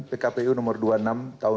pkpu nomor dua puluh enam tahun dua ribu dua